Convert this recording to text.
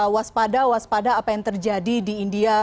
waspada waspada apa yang terjadi di india